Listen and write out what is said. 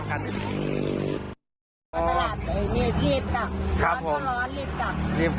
จันทร์ไปหมดเลยเนี่ย